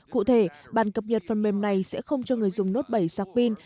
cụ thể bản cập nhật phần mềm này sẽ không cho người dùng note bảy giặc pin